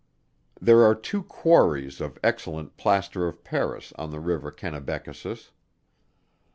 There are two quarries of excellent Plaster of Paris on the river Kennebeckasis.